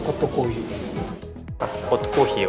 ホットコーヒー。